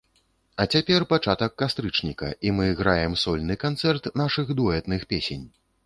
А цяпер пачатак кастрычніка, і мы граем сольны канцэрт нашых дуэтных песень.